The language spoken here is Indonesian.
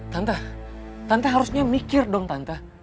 tante tante harusnya berpikir tante